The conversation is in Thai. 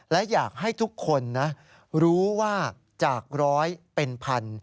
และอยากให้ทุกคนนะรู้ว่าจากร้อยเป็นพัน